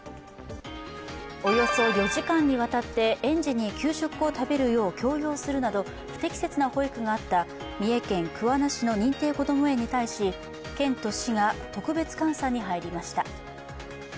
およそ４時間にわたって園児に給食を食べるよう強要するなど不適切な保育があった三重県桑名市の認定こども園に対し県と市が特別監査に入りました。